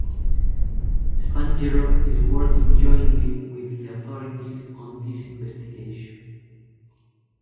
Spanghero is working jointly with the authorities on this investigation.